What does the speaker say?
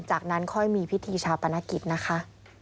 จากนั้นค่อยมีพิธีชาปนกิจนะคะ